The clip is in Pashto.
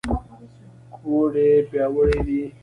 ګوډې پیاوړې دي.